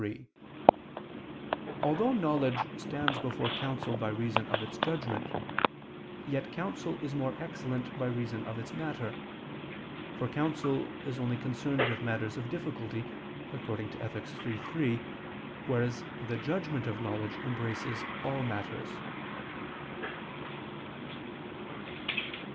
3: Although knowledge stands before counsel by reason of its judgment, yet counsel is more excellent by reason of its matter: for counsel is only concerned with matters of difficulty (Ethic. iii, 3), whereas the judgment of knowledge embraces all matters.